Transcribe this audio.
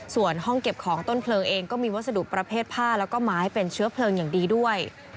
ส่วนห้องเก็บของต้นเพลิงเองก็มีวัสดุประเภทผ้าแล้วก็ไม้เป็นเชื้อเพลิงอย่างดีด้วย